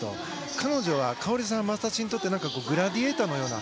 彼女は、花織さんは私にとってグラディエーターのような。